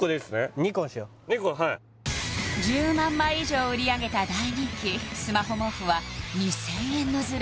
２個はい１０万枚以上売り上げた大人気スマホ毛布は２０００円のズレ